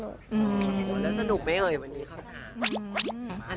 แล้วสนุกไหมเอ่ยวันนี้เข้าช้า